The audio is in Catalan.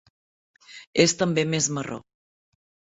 És també més marró.